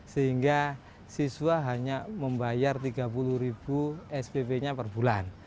sehingga siswa hanya membayar tiga puluh ribu spp nya per bulan